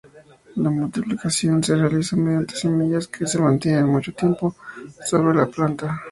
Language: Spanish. La multiplicación se realiza mediante semillas que se mantienen mucho tiempo sobre la planta.